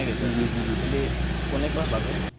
ya enak banget